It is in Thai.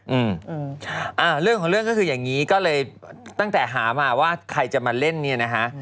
อืมอ่าเรื่องของเรื่องก็คืออย่างงี้ก็เลยตั้งแต่หามาว่าใครจะมาเล่นเนี่ยนะฮะ